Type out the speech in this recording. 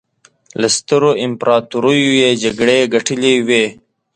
له سترو امپراطوریو یې جګړې ګټلې وې.